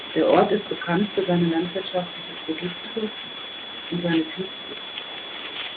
Der Ort ist bekannt für seine landwirtschaftliche Produkte und seine Viehzucht.